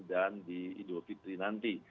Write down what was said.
dan di idul fitri nanti